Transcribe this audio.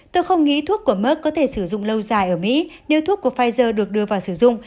tôi không nghĩ thuốc của merk có thể sử dụng lâu dài ở mỹ điêu thuốc của pfizer được đưa vào sử dụng